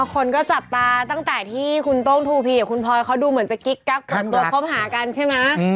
คนก็จับตาตั้งแต่ที่คุณโต้งทูพีกับคุณพลอยเขาดูเหมือนจะกิ๊กกักเปิดตัวคบหากันใช่ไหม